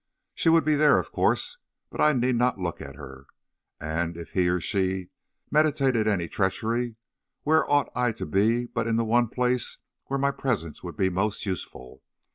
She would be there, of course, but I need not look at her; and if he or she meditated any treachery, where ought I to be but in the one place where my presence would be most useful?